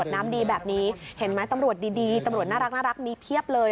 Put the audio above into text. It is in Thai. น้ำดีแบบนี้เห็นไหมตำรวจดีตำรวจน่ารักมีเพียบเลย